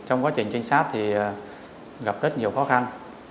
trong quá trình trinh sát thì gặp rất nhiều khó khăn